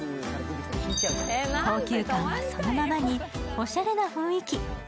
高級感はそのままに、おしゃれな雰囲気。